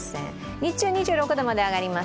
日中２６度まで上がります。